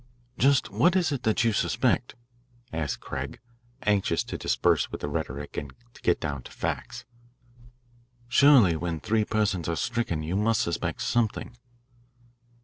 "Just what is it that you suspect?" asked Craig, anxious to dispense with the rhetoric and to get down to facts. " Surely, when three persons are stricken, you must suspect something."